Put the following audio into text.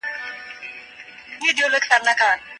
څنګه خلګ کولای سي په بانکونو بشپړ باور ولري؟